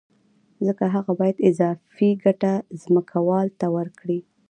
ځکه هغه باید اضافي ګټه ځمکوال ته ورکړي